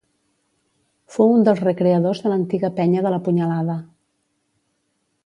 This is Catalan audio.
Fou un dels recreadors de l’antiga penya de La Punyalada.